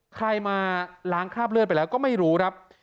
ใครมาล้างคราบเลือดไปแล้วก็ไม่รู้ครับ